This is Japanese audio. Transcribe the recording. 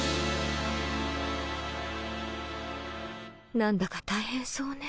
何だか大変そうね